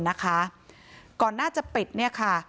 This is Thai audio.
นะคะก่อนหน้าจะปิดเนี่ยค่ะ